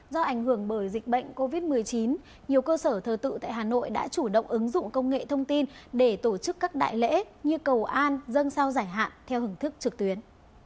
do ảnh hưởng bởi dịch bệnh covid một mươi chín nhiều cơ sở thờ tự tại hà nội đã chủ động ứng dụng công nghệ thông tin để tổ chức các đại lễ như cầu an dân sao giải hạn theo hình thức trực tuyến